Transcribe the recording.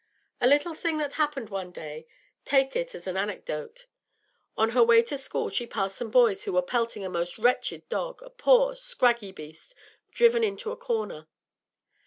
A little thing that happened one day take it as an anecdote. On her way to school she passed some boys who were pelting a most wretched dog, a poor, scraggy beast driven into a corner.